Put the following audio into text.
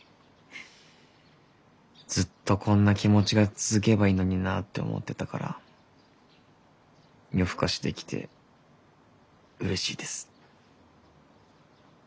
ずっとこんな気持ちが続けばいいのになって思ってたから夜更かしできてうれしいです。